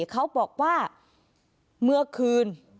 เขาบอกว่าเมื่อคืน